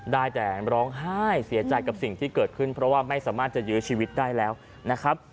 ได้แต่ร้องไห้เสียใจกับสิ่งที่เกิดขึ้นเพราะว่าไม่สามารถจะยื้อชีวิตได้แล้วนะครับ